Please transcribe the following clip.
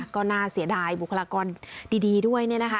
ก็น่าเสียดายบุคลากรดีด้วยเนี่ยนะคะ